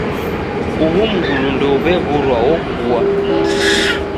Uhu mngulu ndeuw'e w'urwa okua.